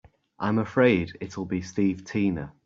I'm afraid it'll be Steve Tina.